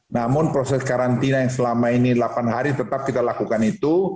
namun proses karantina yang selama ini delapan hari tetap kita lakukan itu